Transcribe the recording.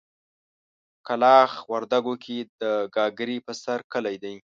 کلاخ وردګو کې د ګاګرې په سر کلی دی.